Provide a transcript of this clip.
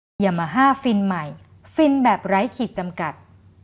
ยามาฮ่าฟินใหม่ฟินแบบไร้ขีดจำกัด